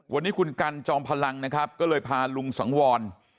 วันนี้คุณกันจอมพลังนะครับก็เลยพาลุงสังวร